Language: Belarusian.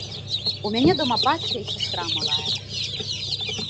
У мяне дома бацька і сястра малая.